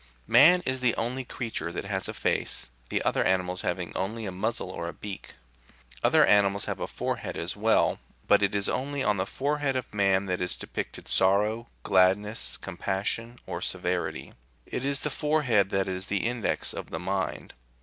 Man is the only creature that has a face, the other animals having only a muzzle or a beak. Other animals have a fore head as well, but it is only on the forehead of man that is depicted sorrow, gladness, compassion, or severity. It is the forehead that is the index of the mind.